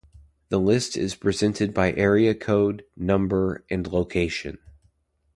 The list is presented by area code, number and location.